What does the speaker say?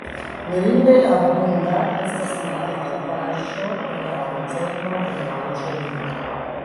Mirinde abunda estas la ekipaĵo en la interno de la preĝejo.